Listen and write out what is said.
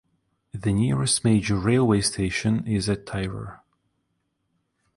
The nearest major railway station is at Tirur.